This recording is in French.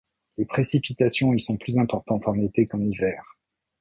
Les précipitations y sont plus importantes en été qu'en hiver.